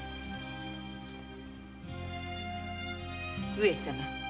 上様。